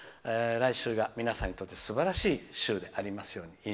来週が皆さんにとってすばらしい週でありますように。